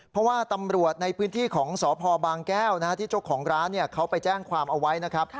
เพราะว่าตำรวจในพื้นที่ของสพบางแก้วที่เจ้าของร้านเขาไปแจ้งความเอาไว้นะครับ